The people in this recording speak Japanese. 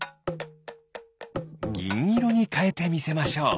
ぎんいろにかえてみせましょう！